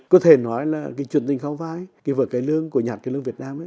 có thể nói là cái truyền tình khó vai cái vở cải lương của nhà hát cải lương việt nam